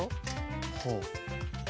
ほう。